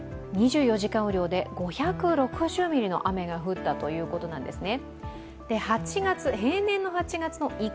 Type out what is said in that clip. ２４時間雨量で５６０ミリの雨が降ったということなんですね。